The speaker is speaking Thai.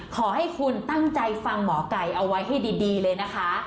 ขอให้คุณตั้งใจฟังหมอไก่เอาไว้ให้ดีเลยนะคะ